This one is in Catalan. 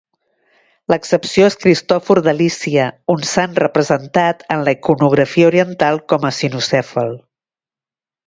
L'excepció és Cristòfor de Lícia, un sant representat en la iconografia oriental com a cinocèfal.